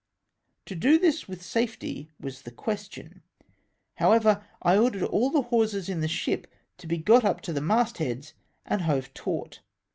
To do this with safety was the question. How^ever, I ordered all the hawsers in the ship to be got up to the mast heads and hove taut.